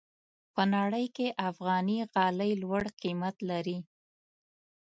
په نړۍ کې افغاني غالۍ لوړ قیمت لري.